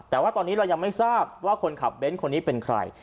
แต่ว่าตอนนี้เรายังไม่ทราบว่าคนขับเบ้นคนนี้เป็นใคร